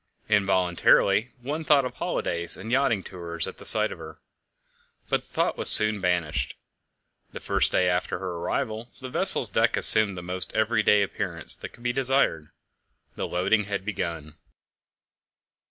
Involuntarily one thought of holidays and yachting tours at the sight of her; but the thought was soon banished. The first day after her arrival, the vessel's deck assumed the most everyday appearance that could be desired: the loading had begun.